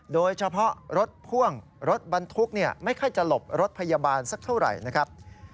โดยเฉพาะรถพ่วงรถบรรทุกไม่ค่อยจะหลบรถพยาบาลสักเท่าไหร่นะครับ